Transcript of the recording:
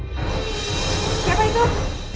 kan sebenarnya haknya bu